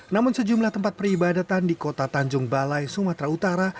namun sejumlah tempat peribadatan di kota tanjung balai sumatera utara